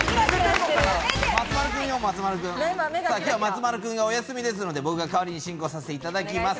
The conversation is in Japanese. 松丸君がお休みなので僕が代わりに進行させていただきます。